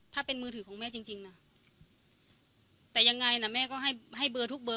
ถ้าเป็นมือถือของแม่จริงจริงน่ะแต่ยังไงน่ะแม่ก็ให้ให้เบอร์ทุกเบอร์